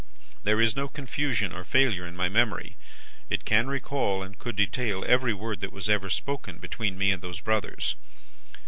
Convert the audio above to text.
There is no confusion or failure in my memory; it can recall, and could detail, every word that was ever spoken between me and those brothers.